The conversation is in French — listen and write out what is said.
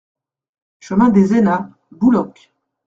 Chemin des Aynats, Bouloc